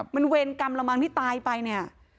มันเวรกรรมละมังที่ตายไปเนี่ย